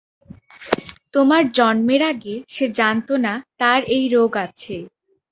তোমার জন্মের আগে সে জানতো না তার এই রোগ আছে।